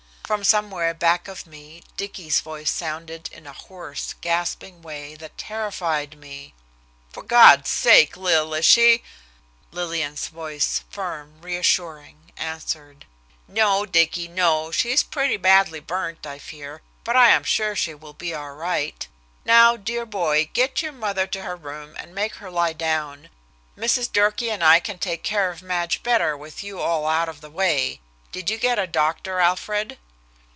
From somewhere back of me Dicky's voice sounded in a hoarse, gasping way that terrified me. "For God's sake, Lil, is she " Lillian's voice, firm, reassuring, answered: "No, Dicky, no, she's pretty badly burned, I fear, but I am sure she will be all right. Now, dear boy, get your mother to her room and make her lie down. Mrs. Durkee and I can take care of Madge better with you all out of the way. Did you get a doctor, Alfred?"